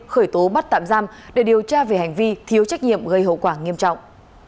khởi tố bắt tạm giam để điều tra về hành vi thiếu trách nhiệm gây hậu quả nghiêm trọng